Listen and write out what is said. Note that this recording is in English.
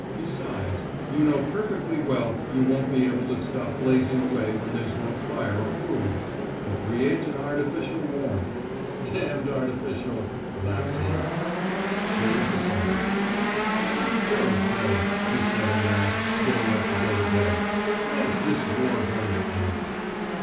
Besides, you know perfectly well you won't be able to stop blazing away when there's no fire or food. It creates an artificial warmth." "D d artificial," laughed he. There was a silence. "By Jove, Bill," he said at last, getting up to go to bed. "When's this war going to end?"